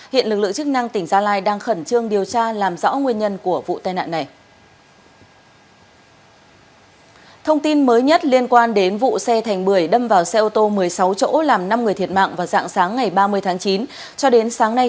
hiện lực lượng chức năng tỉnh gia lai đang khẩn trương điều tra làm rõ nguyên nhân của vụ tai nạn này